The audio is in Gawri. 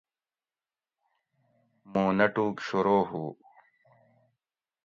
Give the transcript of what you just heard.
مُوں نٹوگ شورو ہُو